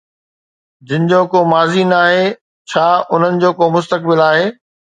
جن جو ڪو ماضي ناهي، ڇا انهن جو ڪو مستقبل آهي؟